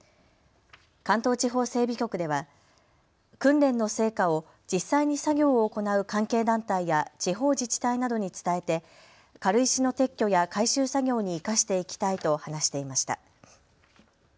関東地方整備局では訓練の成果を実際に作業を行う関係団体や地方自治体などに伝えて軽石の撤去や回収作業に生かしていきたいと話していました。